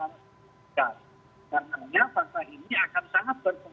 berpengaruh kepada kesempatan umum